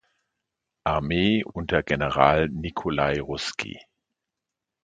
Armee unter General Nikolai Russki.